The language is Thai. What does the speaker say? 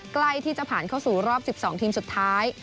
ใกล้ที่จะผ่านเข้าสู่รอบ๑๒ทีมสุดท้าย